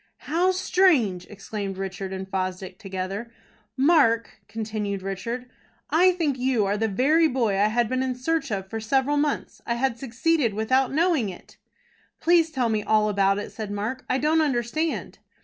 "How strange!" exclaimed Richard and Fosdick together. "Mark," continued Richard, "I think you are the very boy I had been in search of for several months. I had succeeded without knowing it." "Please tell me all about it," said Mark. "I don't understand."